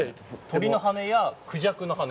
鳥の羽根やクジャクの羽？